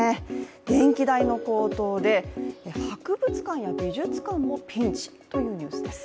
電気代の高騰で博物館や美術館もピンチというニュースです。